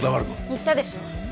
言ったでしょ？